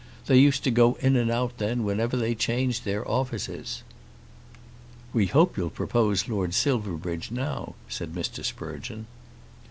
They used to go in and out then whenever they changed their offices." "We hope you'll propose Lord Silverbridge now," said Mr. Sprugeon.